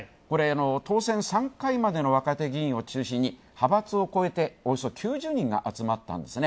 当選３回までの若手議員を中心に派閥を超えておよそ９０人が集まったんですよね。